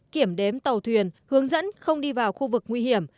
kiểm đếm tàu thuyền hướng dẫn không đi vào khu vực nguy hiểm